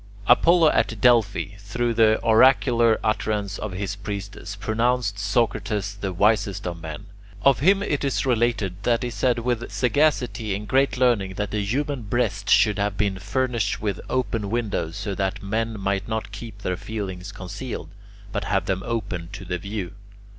Apollo at Delphi, through the oracular utterance of his priestess, pronounced Socrates the wisest of men. Of him it is related that he said with sagacity and great learning that the human breast should have been furnished with open windows, so that men might not keep their feelings concealed, but have them open to the view.